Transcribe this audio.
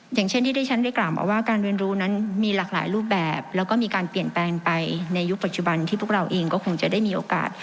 อย่างเช่นที่ที่ฉันได้กล่าวมาว่าการเรียนรู้นั้นมีหลากหลายรูปแบบแล้วก็มีการเปลี่ยนแปลงไปในยุคปัจจุบันที่พวกเราเองก็คงจะได้มีโอกาส